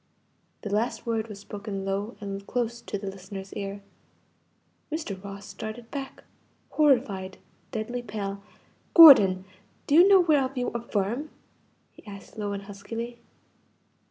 The last word was spoken low and close to the listener's ear. Mr. Ross started back horrified deadly pale. "Gordon! do you know whereof you affirm?" he asked low and huskily.